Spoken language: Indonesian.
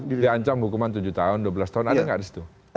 diancam hukuman tujuh tahun dua belas tahun ada nggak di situ